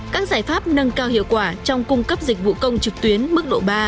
các giải pháp nâng cao hiệu quả trong cung cấp dịch vụ công trực tuyến mức độ ba